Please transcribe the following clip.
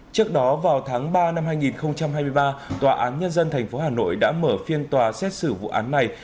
trước đó vào tháng ba năm hai nghìn hai mươi ba tòa án nhân dân tp hà nội đã mở phiên tòa xét xử vụ án này